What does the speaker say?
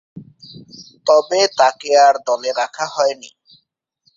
তবে, তাকে আর দলে রাখা হয়নি।